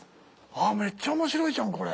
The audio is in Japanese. あっめっちゃ面白いじゃんこれ。